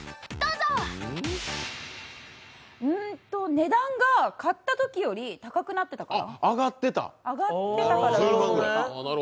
値段が買ったときより高くなってたから？